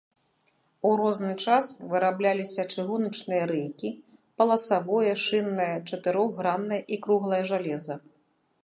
У розны час вырабляліся чыгуначныя рэйкі, паласавое, шыннае, чатырохграннае і круглае жалеза.